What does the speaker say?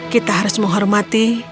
kita harus menghormati dan melestari